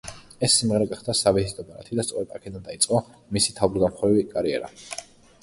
ეს სიმღერა გახდა მისი სავიზიტო ბარათი და სწორედ აქედან დაიწყო მისი თავბრუსდამხვევი კარიერა.